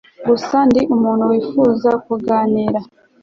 gusa ndi umuntu wifuje kuganira